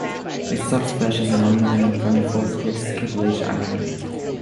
This subspecies is only known from the Falls Creek Ski Village area.